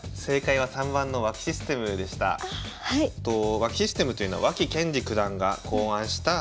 脇システムというのは脇謙二九段が考案した戦型です。